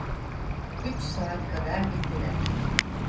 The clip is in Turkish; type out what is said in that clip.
Üç saat kadar gittiler.